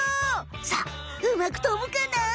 さあうまく飛ぶかな？